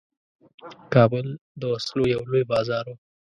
کابل د وسلو یو لوی بازار وو.